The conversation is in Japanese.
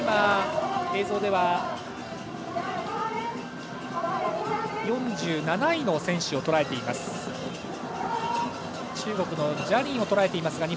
映像では、４７位の選手をとらえています。